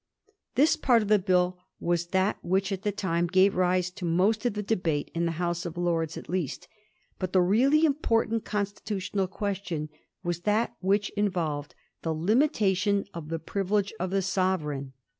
This part of the Bill was that which at the time gave rise to most of the debate, in the House of Lords at least ; but the really im portant constitutional question was that which in volved the limitation of the privilege of the Sovereign.